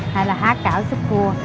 hay là hát cảo súp cua